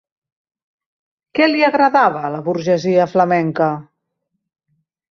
Què li agradava a la burgesia flamenca?